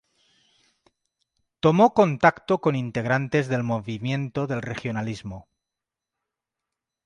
Tomó contacto con integrantes del movimiento del Regionalismo.